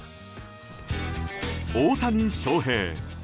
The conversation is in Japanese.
大谷翔平。